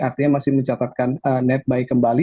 artinya masih mencatatkan netbuy kembali